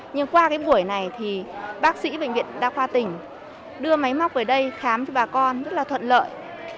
nhưng qua cái buổi này thì bác sĩ bệnh viện đa khoa tỉnh đưa máy móc về đây khám cho bà con rất là thuận lợi